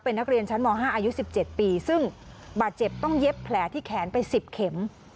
เป็นนักเรียนชั้นม๕อายุ๑๗ปีซึ่งบาดเจ็บต้องเย็บแผลที่แขนไป๑๐เข็ม